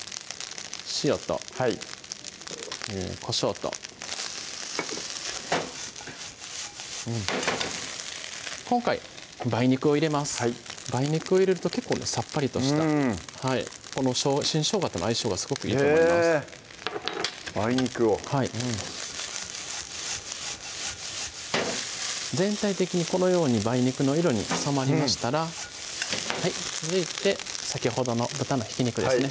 塩とこしょうと今回梅肉を入れます梅肉を入れると結構ねさっぱりとした新しょうがとの相性がすごくいいと思います梅肉をはい全体的にこのように梅肉の色に染まりましたら続いて先ほどの豚のひき肉ですね